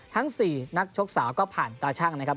ทั้ง๔นักชกสาวก็ผ่านตาชั่งนะครับ